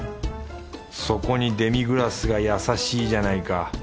そこにデミグラスが優しいじゃないか。